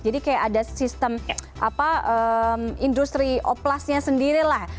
jadi kayak ada sistem industri oplasnya sendiri lah